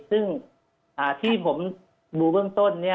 ซึ่งที่ผมดูเบื้องต้น